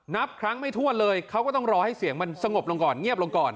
นับครั้งไม่ถ้วนเลยเขาก็ต้องรอให้เสียงมันสงบลงก่อนเงียบลงก่อน